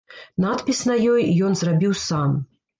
Надпіс на ёй ён зрабіў сам.